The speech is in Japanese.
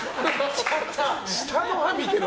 下の歯見てるの？